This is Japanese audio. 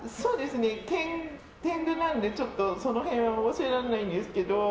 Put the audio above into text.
天狗なので、その辺は教えられないんですけど。